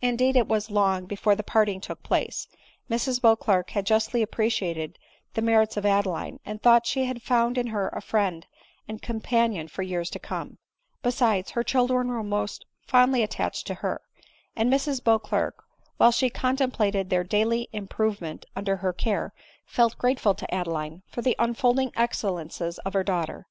Indeed it was long before the parting took place, Mrs Beauclerc had jusdy appreciated the merits of Adeline, and thought she had found in her a friend and companion for years to come ; besides, her children were most fondly attached to her ; and Mrs Beauclerc, while she contemplated their daily improvement under her care, felt grateful to Adeline for tbe unfolding excellencies of her daughters.